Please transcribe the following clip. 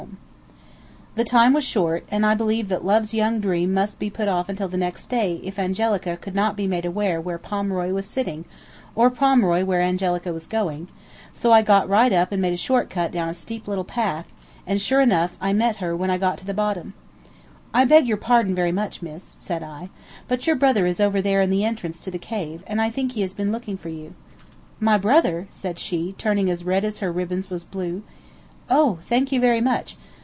[Illustration: "Your brother is over there"] The time was short, and I believed that love's young dream must be put off until the next day if Angelica could not be made aware where Pomeroy was sitting, or Pomeroy where Angelica was going; so I got right up and made a short cut down a steep little path, and, sure enough, I met her when I got to the bottom. "I beg your pardon very much, miss," said I, "but your brother is over there in the entrance to the cave, and I think he has been looking for you." "My brother?" said she, turning as red as her ribbons was blue. "Oh, thank you very much!